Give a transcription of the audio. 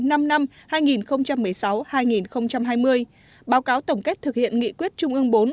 năm năm hai nghìn một mươi sáu hai nghìn hai mươi báo cáo tổng kết thực hiện nghị quyết trung ương bốn